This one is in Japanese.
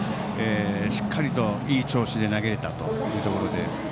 しっかりといい調子で投げられたということで。